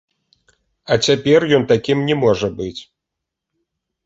А цяпер ён такім не можа быць.